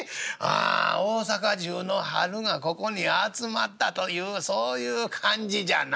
大阪中の春がここに集まったというそういう感じじゃな。